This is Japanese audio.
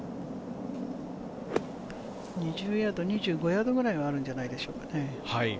２０２５ヤードぐらいはあるんじゃないでしょうか。